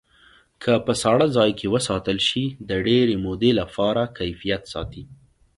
که په ساړه ځای کې وساتل شي د ډېرې مودې لپاره کیفیت ساتي.